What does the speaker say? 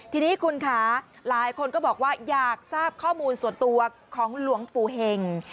ทีนี้คุณค่ะหลายคนก็บอกว่าอยากทราบข้อมูลส่วนตัวของหลวงปู่เห็ง